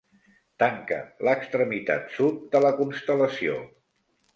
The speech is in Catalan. Tanca l'extremitat sud de la constel·lació.